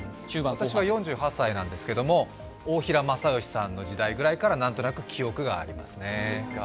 私は４８歳なんですけれども、大平正芳さんの時代ぐらいから何となく記憶がありますね。